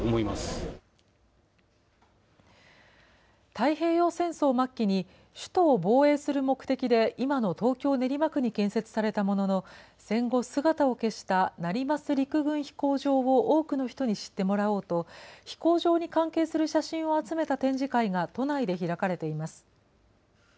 太平洋戦争末期に首都を防衛する目的で今の東京・練馬区に建設されたものの、戦後、姿を消した成増陸軍飛行場を多くの人に知ってもらおうと、飛行場に関係する写真を集めた展示会が都内で開かれています。